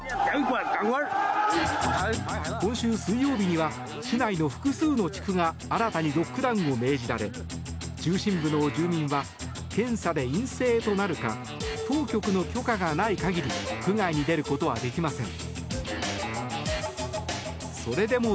今週水曜日には市内の複数の地区が新たにロックダウンを命じられ中心部の住民は検査で陰性となるか当局の許可がない限り区外に出ることはできません。